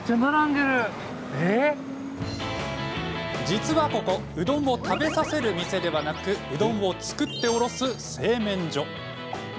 実はここうどんを食べさせる店ではなくうどんを作って卸す製麺所。